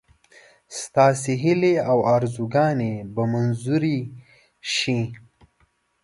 ستا هیلې او آرزوګانې به منظوري شي.